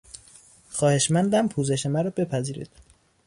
خواهشمندم پوزش مرا بپذیرید.